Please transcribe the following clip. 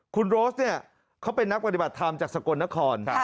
คุณโรสเนี่ยเขาเป็นนักปฏิบัติธรรมจากสกลนคร